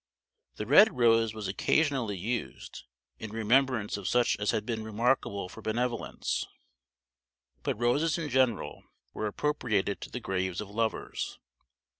The red rose was occasionally used, in remembrance of such as had been remarkable for benevolence; but roses in general were appropriated to the graves of lovers.